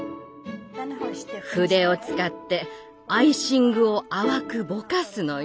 筆を使ってアイシングを淡くぼかすのよ。